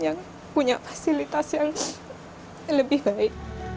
yang punya fasilitas yang lebih baik